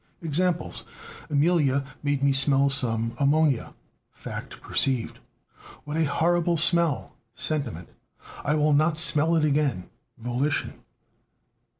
Examples: Amelia made me smell some ammonia (fact perceived). What a horrible smell! (sentiment). I will not smell it again (volition).